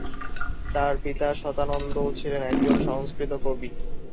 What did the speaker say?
তাঁর পিতা শতানন্দও ছিলেন একজ সংস্কৃত কবি।